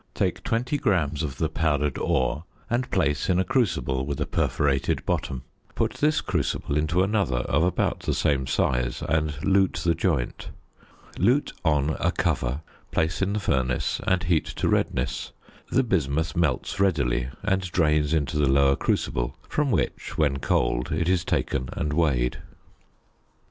Take 20 grams of the powdered ore and place in a crucible with a perforated bottom, put this crucible into another of about the same size and lute the joint. Lute on a cover, place in the furnace and heat to redness. The bismuth melts readily and drains into the lower crucible from which, when cold, it is taken and weighed.